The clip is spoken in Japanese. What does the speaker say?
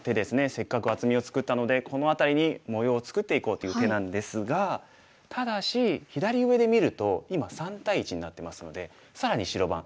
せっかく厚みを作ったのでこの辺りに模様を作っていこうという手なんですがただし左上で見ると今３対１になってますので更に白番。